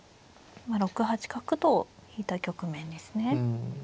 今６八角と引いた局面ですね。